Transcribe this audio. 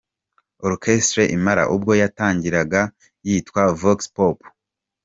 Orchestre Impala ubwo yatangiraga yitwaga “Vox Pop”.